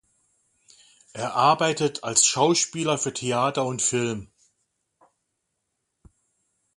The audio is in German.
Er arbeitet als Schauspieler für Theater und Film.